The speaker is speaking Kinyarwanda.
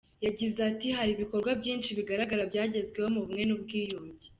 Yagize ati “Hari ibikorwa byinshi bigaragara byagezweho mu bumwe n’ubwiyunge.